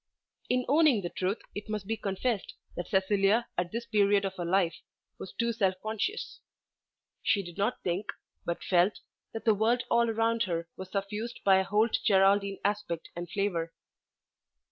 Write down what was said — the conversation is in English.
In owning the truth it must be confessed that Cecilia at this period of her life was too self conscious. She did not think, but felt, that the world all around her was suffused by a Holt Geraldine aspect and flavour.